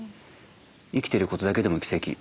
生きてることだけでも奇跡。